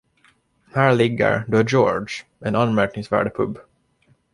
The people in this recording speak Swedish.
Här ligger "The George", en anmärkningsvärd pub.